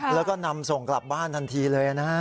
แล้วก็นำส่งกลับบ้านทันทีเลยนะฮะ